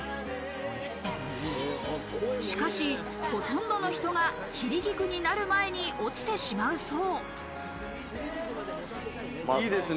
しかしほとんどの人が散り菊になる前に落ちてしまうそう。